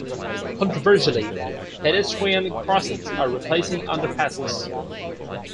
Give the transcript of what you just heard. Controversially, pedestrian crossings are replacing underpasses.